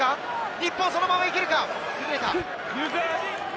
日本そのままいけるか。